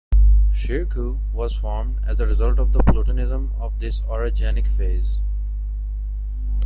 Shir Kuh was formed as a result of the plutonism of this orogenic phase.